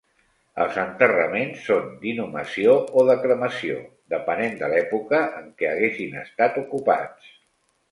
Els enterraments són d'inhumació o de cremació, depenent de l'època en què haguessin estat ocupats.